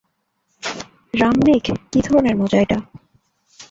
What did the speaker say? রামমিক, কি ধরনের মজা এটা!